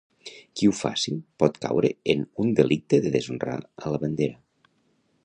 Qui ho faci pot caure en un delicte de deshonra a la bandera.